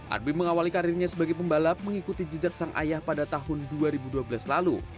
arbi mengawali karirnya sebagai pembalap mengikuti jejak sang ayah pada tahun dua ribu dua belas lalu